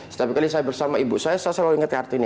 setiap kali saya bersama ibu saya saya selalu ingat kartini